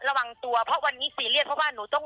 หนูก็เลยซีเรียสโดยการโทร